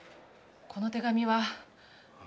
この手紙は。